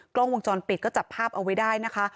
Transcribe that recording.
กล้องวงจรปิดก็จับภาพเอาไว้ได้นะคะ